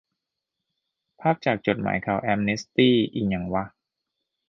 ภาพจากจดหมายข่าวแอมเนสตี้ อิหยังวะ